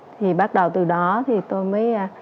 thì bắt đầu từ đó tôi mới